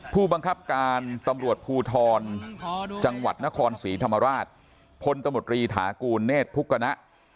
ผู้บังคับการตำรวจภูทรจังหวัดนครศรีธรรมราชพลตมตรีถากูลเนธพุกณะ